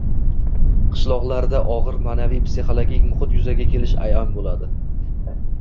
qishloqlarda og‘ir ma’naviy-psixologik muhit yuzaga kelishi ayon bo‘ladi.